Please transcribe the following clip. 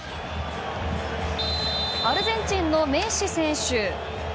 アルゼンチンのメッシ選手。